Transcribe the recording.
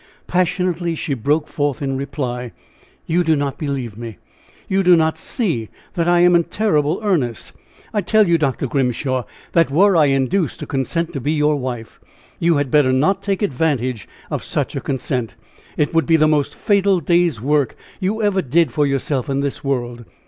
Passionately she broke forth in reply: "You do not believe me! You do not see that I am in terrible earnest! I tell you, Dr. Grimshaw, that were I induced to consent to be your wife, you had better not take advantage of such a consent! It would be the most fatal day's work you ever did for yourself in this world!